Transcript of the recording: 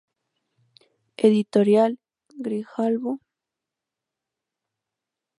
Editorial Grijalbo.